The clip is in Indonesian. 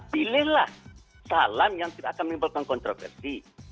pilihlah salam yang tidak akan menimbulkan kontroversi